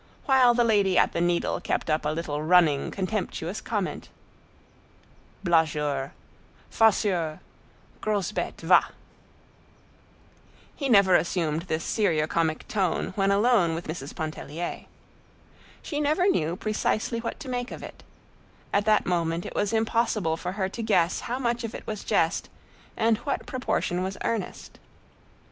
While the lady at the needle kept up a little running, contemptuous comment: "Blagueur—farceur—gros bête, va!" He never assumed this seriocomic tone when alone with Mrs. Pontellier. She never knew precisely what to make of it; at that moment it was impossible for her to guess how much of it was jest and what proportion was earnest.